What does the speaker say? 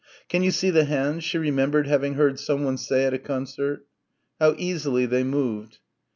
"Can you see the hands?" she remembered having heard someone say at a concert. How easily they moved.